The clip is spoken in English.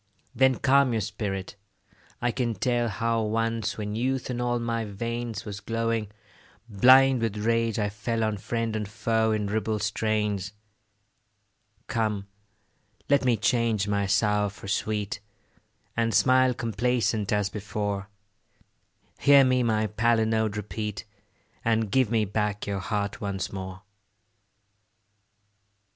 Then calm your spirit; I can tell How once, when youth in all my veins Was glowing, blind with rage, I fell On friend and foe in ribald strains. Come, let me change my sour for sweet, And smile complacent as before: Hear me my palinode repeat, And give me back your heart once more.